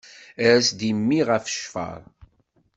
Ers-d i mmi ɣef ccfer.